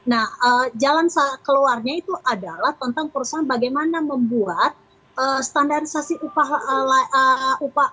nah jalan keluarnya itu adalah tentang perusahaan bagaimana membuat standarisasi upah